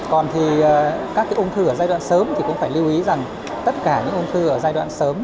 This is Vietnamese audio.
còn thì các cái ung thư ở giai đoạn sớm thì cũng phải lưu ý rằng tất cả những ung thư ở giai đoạn sớm